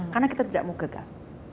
karena kita tidak mau gagal